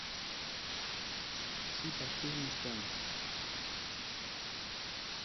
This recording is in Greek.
της ύπαρξής μου στέμμα